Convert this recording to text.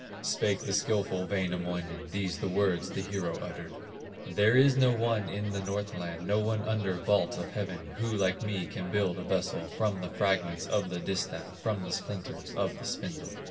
Spake the skilful Wainamoinen, These the words the hero uttered: "There is no one in the Northland, No one under vault of heaven, Who like me can build a vessel, From the fragments of the distaff, From the splinters of the spindle."